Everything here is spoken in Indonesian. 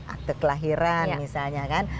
akte kelahiran misalnya kan